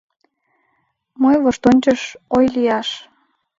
Мый воштончыш, ой, лияш